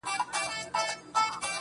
د غلا په جرم به باچاصاحب محترم نيسې~